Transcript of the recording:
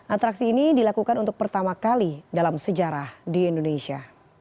atraksi ini dilakukan untuk pertama kali dalam sejarah di indonesia